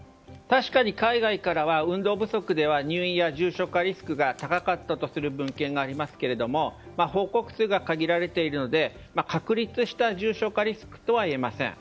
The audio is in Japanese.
確かに海外からは運動不足では入院や重症リスクが高かったとする文献がありますが報告数が限られているので確立した重症化リスクとはいえません。